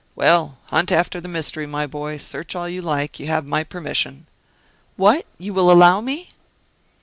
Well, hunt after the mystery, my boy; search all you like, you have my permission." "What! you will allow me?"